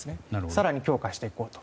更に強化していこうと。